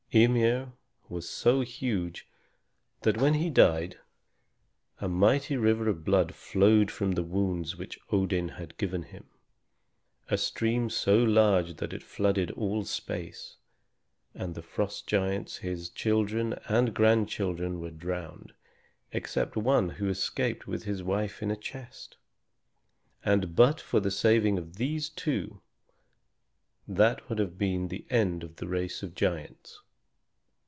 Ymir was so huge that when he died a mighty river of blood flowed from the wounds which Odin had given him; a stream so large that it flooded all space, and the frost giants, his children and grandchildren, were drowned, except one who escaped with his wife in a chest. And but for the saving of these two, that would have been the end of the race of giants.